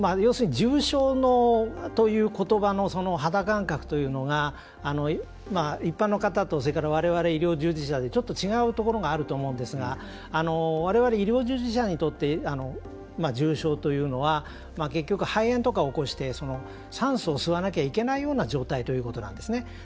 要するに、重症ということばの肌感覚というのが一般の方と、それからわれわれ、医療従事者でちょっと違うところがあると思うんですがわれわれ、医療従事者にとって重症というのは、結局肺炎とかを起こして酸素を吸わなきゃいけないような状態ということなんですね。